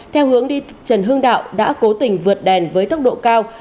theo hướng đi trần hương đạo đã cố tình vượt đèn với tốc độ cao